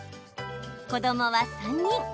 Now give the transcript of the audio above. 子どもは３人。